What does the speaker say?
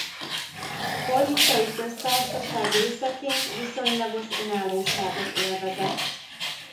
Poljicai Köztársaság részeként viszonylagos önállóságot élvezett.